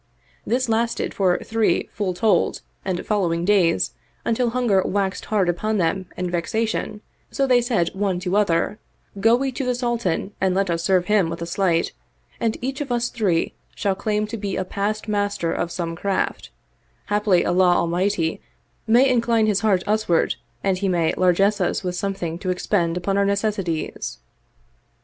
This lasted for three full told and following days until hunger waxed hard upon them and vexation; so they said one to other, " Go we to the Sultan and let us serve him with a sleight, and each of us three shall claim to be a past master of some craft: haply Allah Almighty may incline his heart usward and he may largesse us with something to expend upon our necessities."